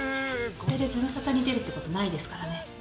これでズムサタに出るってことないですからね。